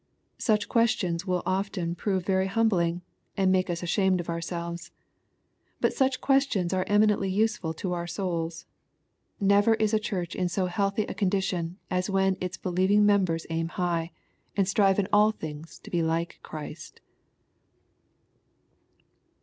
— Such questions will often prove very hum blingy and make us ashamed of ourselves. But such questions are eminently useful to our souls. Never is a Church in so healthy a condition as when its believing members aim high, and strive in all things to be like Christ.